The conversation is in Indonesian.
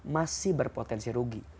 masih berpotensi rugi